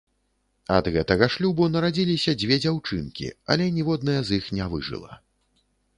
Ад гэтага шлюбу нарадзіліся дзве дзяўчынкі, але ніводная з іх не выжыла.